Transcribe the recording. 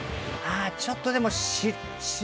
ちょっとでも。